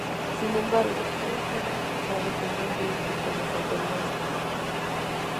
Sin embargo, no estaba registrado como un riesgo por las autoridades francesas.